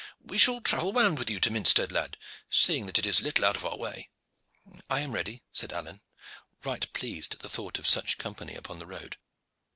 We shall travel round with you to Minstead lad, seeing that it is little out of our way." "I am ready," said Alleyne, right pleased at the thought of such company upon the road.